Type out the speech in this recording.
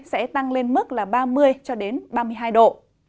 sẽ tăng lên mức là ba mươi cho đến ba mươi hai độ